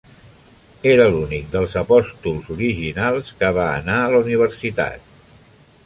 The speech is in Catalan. Era l'únic dels apòstols originals que va anar a la universitat.